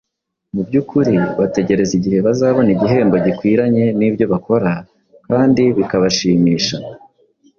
Mu by’ukuri bategereza igihe bazabona igihembo gikwiranye n’ibyo bakora kandi bikabashimisha;